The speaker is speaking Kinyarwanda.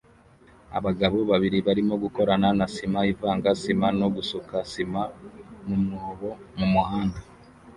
Abagabo babiri barimo gukorana na sima ivanga sima no gusuka sima mumwobo mumuhanda